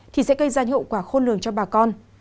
thì sẽ gây ra những hậu quả khôn lường cho bà con